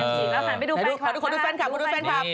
ไปดูแฟนคลับนะครับ